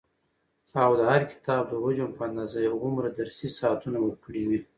او د هر کتاب د حجم په اندازه يي هغومره درسي ساعتونه ورکړي وي،